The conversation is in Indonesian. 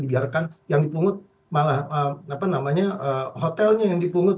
dibiarkan yang dipungut malah hotelnya yang dipungut